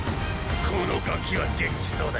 このガキは元気そうだ。